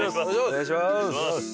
お願いします！